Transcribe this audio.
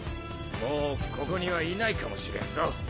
もうここにはいないかもしれんぞ。